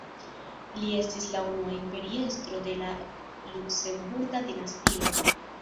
Li estis la unua imperiestro de la Luksemburga dinastio.